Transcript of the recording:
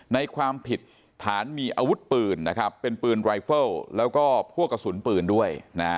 ในความผิดฐานมีอาวุธปืนนะครับเป็นปืนรายเฟิลแล้วก็พวกกระสุนปืนด้วย